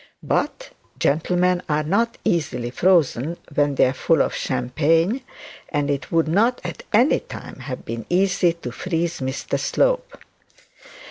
But gentlemen are not easily frozen when they are full of champagne, and it would not at any time have been easy to freeze Mr Slope.